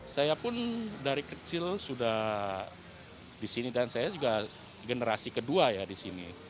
saya pun dari kecil sudah di sini dan saya juga generasi kedua ya di sini